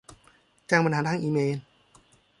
แจ้งปัญหาทางอีเมล